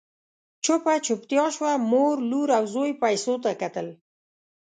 چوپه چوپتيا شوه، مور، لور او زوی پيسو ته کتل…